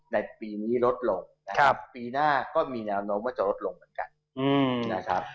ในปีนี้ลดลงนะครับปีหน้าก็มีแนวโน้มว่าจะลดลงเหมือนกันนะครับ